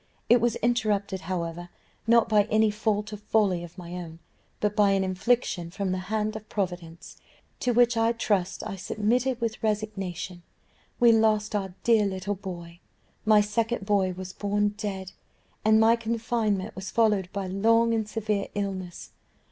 It was interrupted, however, not by any fault or folly of my own, but by an infliction from the hand of Providence, to which I trust I submitted with resignation we lost our dear little boy; my second boy was born dead, and my confinement was followed by long and severe illness.